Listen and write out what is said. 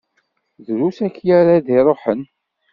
Drus akya ara d-iṛuḥen.